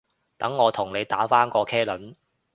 等我同你打返個茄輪